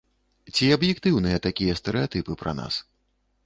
Ці аб'ектыўныя такія стэрэатыпы пра нас?